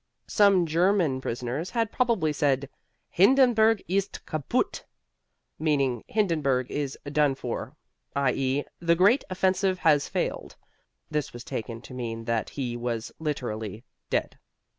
Some German prisoners had probably said "Hindenburg ist kaput," meaning "Hindenburg is done for," i.e., "The great offensive has failed." This was taken to mean that he was literally dead.